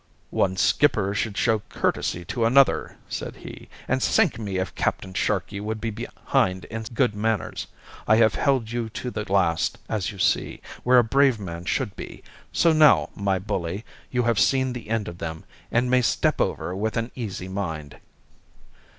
"One skipper should show courtesy to another," said he, "and sink me if Captain Sharkey would be behind in good manners! I have held you to the last, as you see, where a brave man should be; so now, my bully, you have seen the end of them, and may step over with an easy mind."